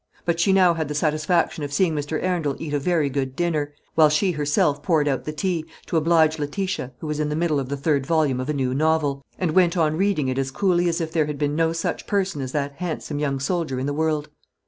But she now had the satisfaction of seeing Mr. Arundel eat a very good dinner; while she herself poured out the tea, to oblige Letitia, who was in the middle of the third volume of a new novel, and went on reading it as coolly as if there had been no such person as that handsome young soldier in the world.